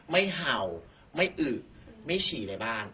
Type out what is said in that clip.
เห่าไม่อึไม่ฉี่ในบ้าน